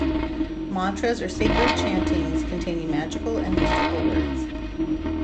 Mantras are sacred chantings containing magical and mystical words.